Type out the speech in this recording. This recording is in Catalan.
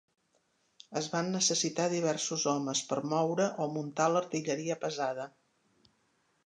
Es van necessitar diversos homes per moure o muntar l'artilleria pesada.